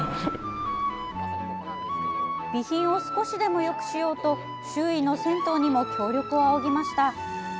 備品を少しでもよくしようと周囲の銭湯にも協力を仰ぎました。